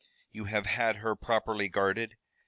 "You have had her properly guarded?"